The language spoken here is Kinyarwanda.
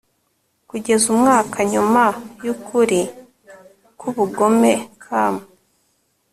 kugeza umwaka nyuma yukuri kwubugome cam